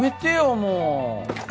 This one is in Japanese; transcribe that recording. もう。